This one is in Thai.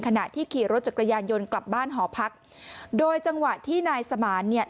ขณะที่ขี่รถจักรยานยนต์กลับบ้านหอพักโดยจังหวะที่นายสมานเนี่ย